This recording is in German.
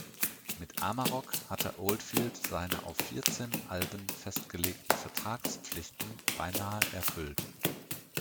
Mit Amarok hatte Oldfield seine auf vierzehn Alben festgelegten Vertragspflichten beinahe erfüllt.